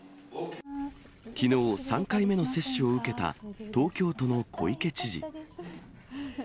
きのう、３回目の接種を受けた東京都の小池知事。